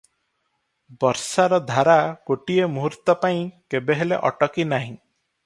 ବରଷାର ଧାରା ଗୋଟିଏ ମୁହୂର୍ତ୍ତପାଇଁ କେବେ ହେଲେ ଅଟକି ନାହିଁ ।